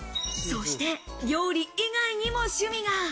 そして料理以外にも趣味が。